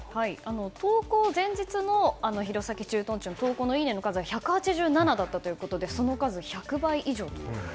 投稿前日の弘前駐屯地のいいねの数は１８７だったということでその数、１００倍以上と。